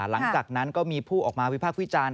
หลังจากนั้นก็มีผู้ออกมาวิพากษ์วิจารณ์